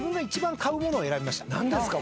何ですか？